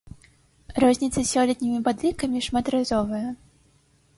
Розніца з сёлетнімі падлікамі шматразовая.